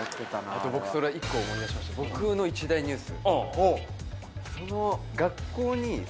僕それ１個思い出しました僕の１大ニュース